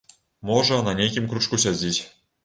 Можа, на нейкім кручку сядзіць.